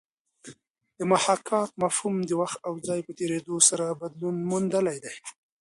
د محاکات مفهوم د وخت او ځای په تېرېدو سره بدلون موندلی دی